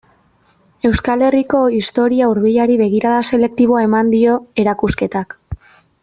Euskal Herriko historia hurbilari begirada selektiboa eman dio erakusketak.